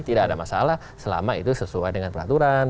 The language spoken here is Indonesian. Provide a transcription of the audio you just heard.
tidak ada masalah selama itu sesuai dengan peraturan